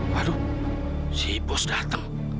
waduh si bos dateng